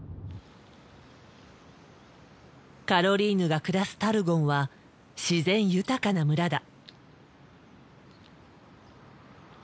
カロリーヌが暮らすタルゴンは自然豊かな村だ。